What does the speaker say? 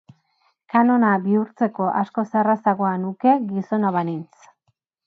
Kanona bihurtzeko askoz errazagoa nuke gizona banintz.